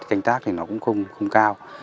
canh tác thì nó cũng không cao